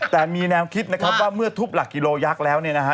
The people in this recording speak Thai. แต่มีแนวคิดนะครับว่าเมื่อทุบหลักกิโลยักษ์แล้วเนี่ยนะฮะ